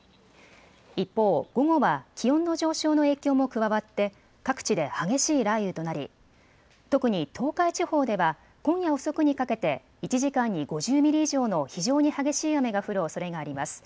一方、午後は気温の上昇の影響も加わって各地で激しい雷雨となり特に東海地方では今夜遅くにかけて１時間に５０ミリ以上の非常に激しい雨が降るおそれがあります。